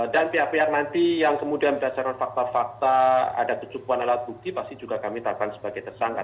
dan pihak pihak nanti yang kemudian berdasarkan faktor faktor ada kecukupan alat bukti pasti juga kami tetapkan sebagai tersangka